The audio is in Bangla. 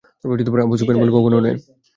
আবু সুফিয়ান বলে কখনও নয়।